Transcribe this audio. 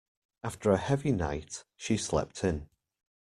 After a heavy night, she slept in.